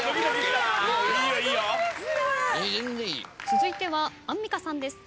続いてはアンミカさんです。